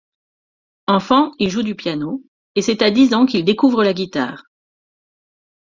Enfant, il joue du piano et c'est à dix ans qu'il découvre la guitare.